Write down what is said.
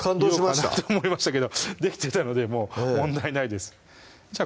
言おうかなと思いましたけどできてたのでもう問題ないですじゃあ